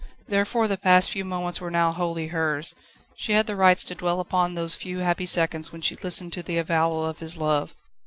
Therefore the past few moments were now wholly hers. She had the rights to dwell on those few happy seconds when she listened to the avowal of his love.